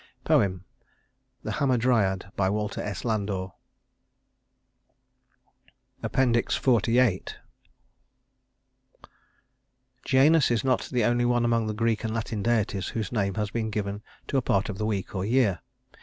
Poem: The Hamadryad WALTER S. LANDOR XLVIII Janus is not the only one among the Greek and Latin deities whose name has been given to a part of the week or year.